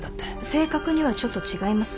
正確にはちょっと違います。